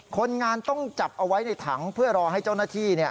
คนงานต้องจับเอาไว้ในถังเพื่อรอให้เจ้าหน้าที่